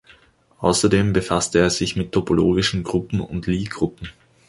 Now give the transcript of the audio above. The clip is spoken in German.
Außerdem befasste er sich mit topologischen Gruppen und Lie-Gruppen.